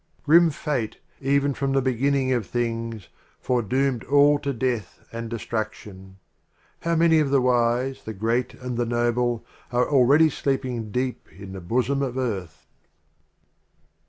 XXII. Grim Fate, even from the Begin ning of Things, Foredoomed All to Death and De struction. How many of the Wise, the Great and the Noble Are already sleeping deep in the Bosom of Earth